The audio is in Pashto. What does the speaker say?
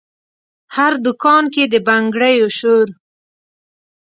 هر دکان کې د بنګړیو شور،